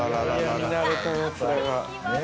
◆見なれたやつらが。